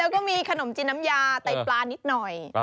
แล้วก็มีขนมจีนน้ำยาไตปลานิดหน่อย